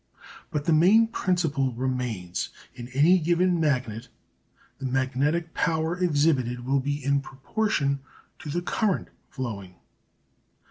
But the main principle remains in any given magnet the magnetic power exhibited will be in proportion to the current flowing.